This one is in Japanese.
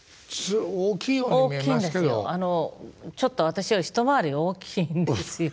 あのちょっと私より一回り大きいんですよ。